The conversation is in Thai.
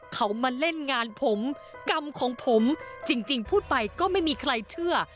เขามาเล่นงานผมกรรมของผมจริงพูดไปก็ไม่มีใครเชื่อ